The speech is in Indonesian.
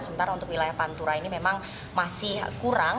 sementara untuk wilayah pantura ini memang masih kurang